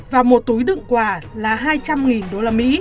và một túi đựng quả là hai trăm linh usd